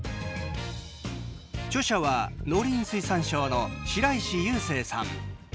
著者は農林水産省の白石優生さん。